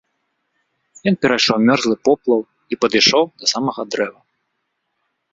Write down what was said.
Ён перайшоў мёрзлы поплаў і падышоў да самага дрэва.